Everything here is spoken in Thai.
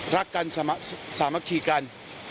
รักกันสามัคคีกัน